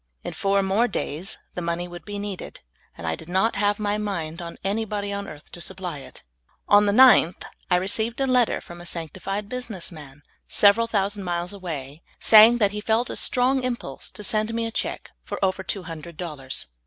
In four more days the money would be needed, and I did not have m}^ mind on any bod}^ on earth to supply it. On the 9th I received a letter from a sanctified business man, several thousand MARVELOUS ANSWER TO PRAYER. II9 miles away, saying that he "felt a strong impulse to send me a check for over two hundred dollars.